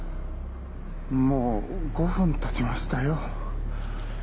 もう５分経ちましたよ。